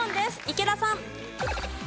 池田さん。